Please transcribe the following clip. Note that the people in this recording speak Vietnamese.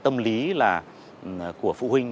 tâm lý của phụ huynh